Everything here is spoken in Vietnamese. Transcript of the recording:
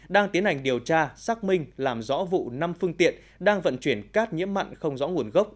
đang tiến hành điều tra xác minh làm rõ vụ năm phương tiện đang vận chuyển cát nhiễm mặn không rõ nguồn gốc